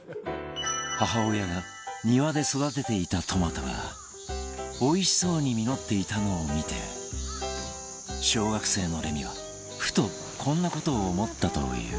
母親が庭で育てていたトマトがおいしそうに実っていたのを見て小学生のレミはふとこんな事を思ったという